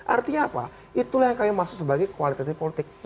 artinya apa itulah yang akan masuk sebagai kualitatif politik